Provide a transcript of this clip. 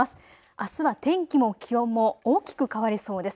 あすは天気も気温も大きく変わりそうです。